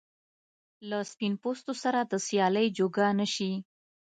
له سپین پوستو سره د سیالۍ جوګه نه شي.